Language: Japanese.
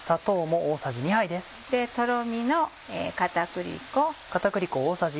とろみの片栗粉。